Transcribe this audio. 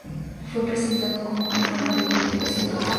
Fue presentado como una forma de comunicación total.